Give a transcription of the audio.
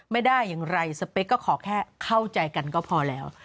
ไม่ได้อย่างไรสเปคก็ขอแค่เข้าใจกันก็พอแล้ว